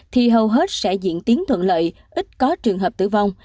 thì hầu hết sẽ diễn tiến thuận lợi ít có trường hợp tử vong